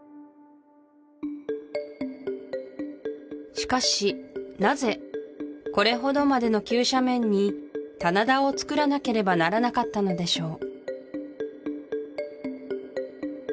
しかしなぜこれほどまでの急斜面に棚田をつくらなければならなかったのでしょう